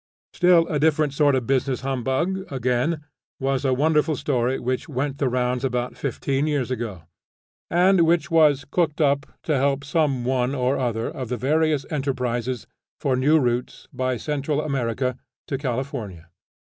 Still a different sort of business humbug, again, was a wonderful story which went the rounds about fifteen years ago, and which was cooked up to help some one or other of the various enterprises for new routes by Central America to California.